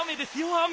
雨。